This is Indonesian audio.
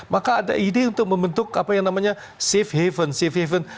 maka ada ide untuk membentuk apa yang namanya safe haven safe haven